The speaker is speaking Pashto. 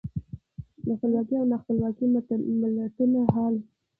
د خپلواکو او نا خپلواکو ملتونو حال.